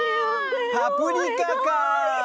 「パプリカ」か！